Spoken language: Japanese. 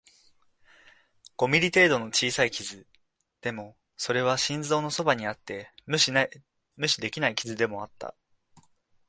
五ミリ程度の小さい傷、でも、それは心臓のそばにあって無視できない傷でもあった